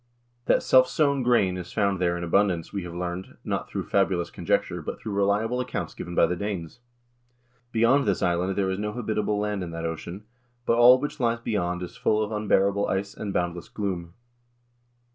That self sown grain is found there in abundance, we have learned, not through fabulous conjecture, but through reliable accounts given by the Danes. Beyond this island there is no habitable land in that ocean, but all which lies beyond is full of unbearable ice and boundless gloom.